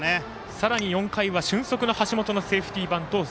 さらに４回は俊足の橋本のセーフティースクイズ。